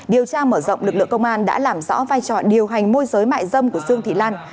điều tra mở rộng lực lượng công an đã làm rõ vai trò điều hành môi giới mại dâm của dương thị lan